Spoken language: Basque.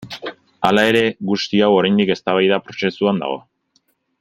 Hala ere guzti hau oraindik eztabaida prozesuan dago.